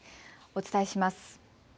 お伝えします。